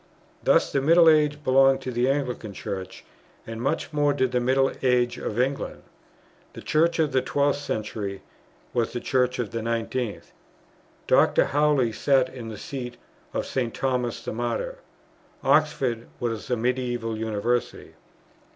Thus, the middle age belonged to the Anglican Church, and much more did the middle age of England. The Church of the 12th century was the Church of the 19th. Dr. Howley sat in the seat of St. Thomas the Martyr; Oxford was a medieval University.